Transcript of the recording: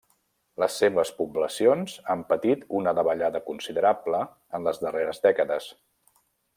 Les seves poblacions han patit una davallada considerable en les darreres dècades.